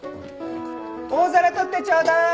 大皿取ってちょうだい。